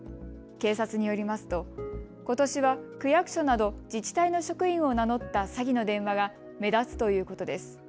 警察によりますとことしは区役所など自治体の職員を名乗った詐欺の電話が目立つということです。